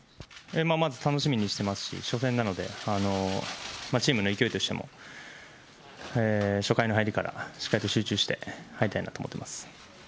まず楽しみにしていますし、初戦なので、チームの勢いとしても、初回の入りからしっかりと集中して入りたいなと思ってます。